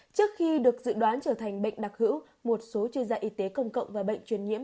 trước khi được dự đoán trở thành bệnh đặc hữu một số chuyên gia y tế công cộng và bệnh truyền nhiễm